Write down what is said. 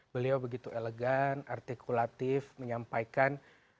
beliau begitu elegan artikulatif menyampaikan